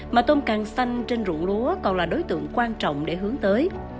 mà tôm càng xanh trên rụng lúa còn là đối tượng quan trọng để hướng tới